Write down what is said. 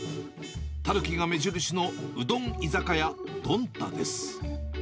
たぬきが目印のうどん居酒屋どんたです。